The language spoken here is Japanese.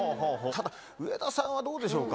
ただ、上田さんはどうでしょうか。